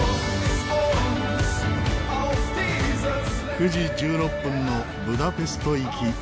９時１６分のブダペスト行き。